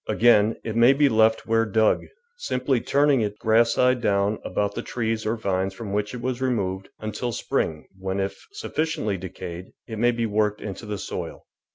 Again, it may be left where dug, simply turning it grass side down about the trees or vines from which it was removed, until spring, when, if sufficiently decayed, it may be worked into the soil.